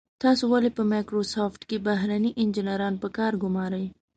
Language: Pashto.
تاسو ولې په مایکروسافټ کې بهرني انجنیران په کار ګمارئ.